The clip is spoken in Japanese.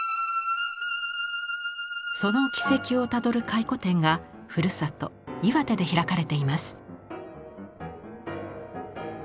その軌跡をたどる回顧展がふるさと岩手で開かれています。